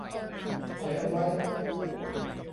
ปล่อยเอาไว้